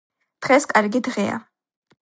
დღეს კარგი დღეა